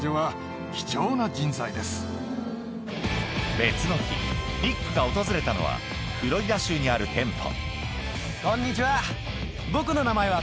別の日リックが訪れたのはフロリダ州にある店舗